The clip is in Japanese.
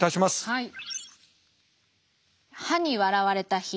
はい。